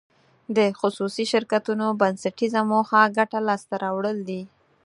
د خصوصي شرکتونو بنسټیزه موخه ګټه لاس ته راوړل دي.